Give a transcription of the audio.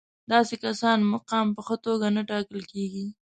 داسې کسانو مقام په ښه توګه نه ټاکل کېږي.